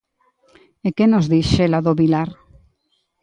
¿E que nos di Xela do Vilar?